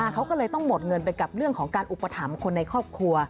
เขาก็เลยต้องหมดเงินไปกับเรื่องของการอุปถัมภ์คนในครอบครัว